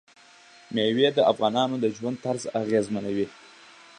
مېوې د افغانانو د ژوند طرز اغېزمنوي.